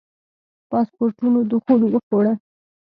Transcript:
پاسپورټونو دخول وخوړه.